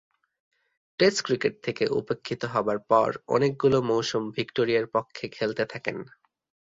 Test cricket থেকে উপেক্ষিত হবার পর অনেকগুলো মৌসুম ভিক্টোরিয়ার পক্ষে খেলতে থাকেন।